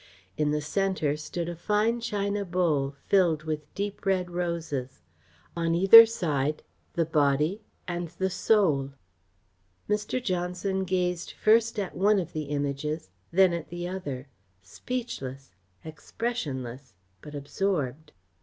In the centre stood a fine china bowl, filled with deep red roses; on either side the Body and the Soul. Mr. Johnson gazed first at one of the Images, then at the other, speechless, expressionless, but absorbed.